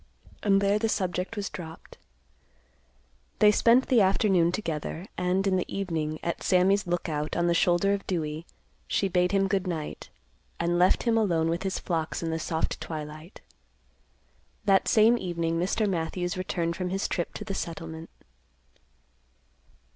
And there the subject was dropped. They spent the afternoon together, and in the evening, at Sammy's Lookout on the shoulder of Dewey, she bade him good night, and left him alone with his flocks in the soft twilight. That same evening Mr. Matthews returned from his trip to the settlement.